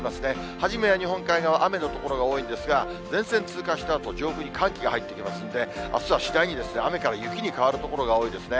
初めは日本海側、雨の所が多いんですが、前線通過したあと、上空に寒気が入ってきますんで、あすは次第に雨から雪に変わる所が多いですね。